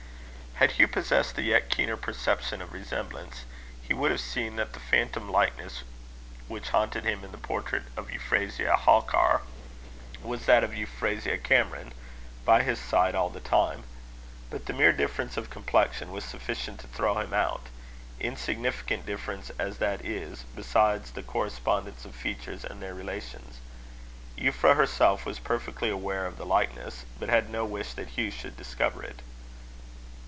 Had Hugh possessed a yet keener perception of resemblance, he would have seen that the phantom likeness which haunted him in the portrait of Euphrasia Halkar, was that of Euphrasia Cameron by his side all the time. But the mere difference of complexion was sufficient to throw him out insignificant difference as that is, beside the correspondence of features and their relations. Euphra herself was perfectly aware of the likeness, but had no wish that Hugh should discover it.